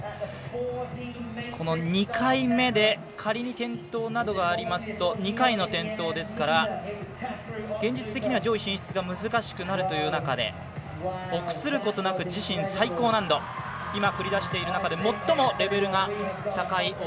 ２回目で仮に転倒などがありますと２回の転倒ですから現実的には上位進出が難しくなるという中で臆することなく自身最高難度今、繰り出している中で最もレベルが高い